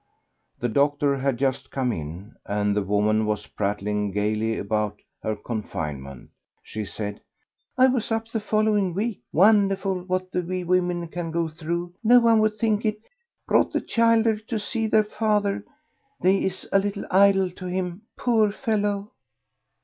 The doctor had just come in, and the woman was prattling gaily about her confinement. She said "I was up the following week. Wonderful what we women can go through. No one would think it.... brought the childer to see their father; they is a little idol to him, poor fellow."